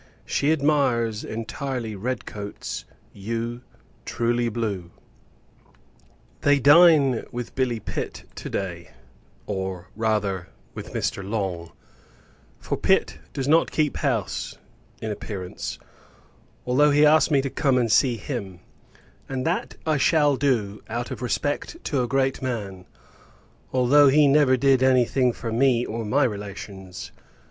She admires entirely red coats; you, true blue. They dine with Billy Pitt, to day; or, rather, with Mr. Long; for Pitt does not keep house, in appearance, although he asked me to come and see him: and that I shall do, out of respect to a great man, although he never did any thing for me or my relations.